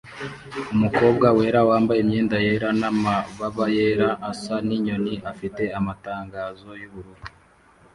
Umukobwa wera wambaye imyenda yera namababa yera asa ninyoni afite amatangazo yubururu